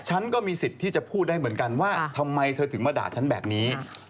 ฉันก็มีสิทธิ์ที่จะพูดได้เหมือนกันว่าทำไมเธอถึงมาด่าฉันแบบนี้